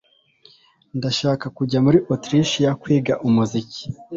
Ndashaka kujya muri Otirishiya kwiga umuziki